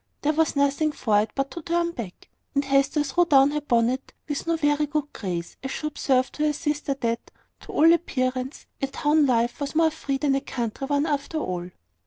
There was nothing for it but to turn back; and Hester threw down her bonnet with no very good grace, as she observed to her sister that, to all appearance, a town life was more free than a country one, after all.